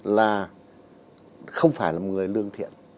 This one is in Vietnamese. là không phải là một người lương thiện